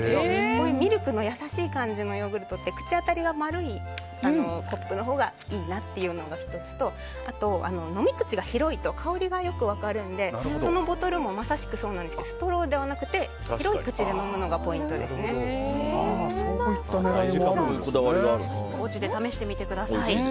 こういうミルクの優しい感じのヨーグルトって口当たりが、丸いコップのほうがいいなというのが１つと飲み口が広いと香りがよく分かるのでそのボトルもまさしくそうなんですけどストローではなくておうちで試してみてください。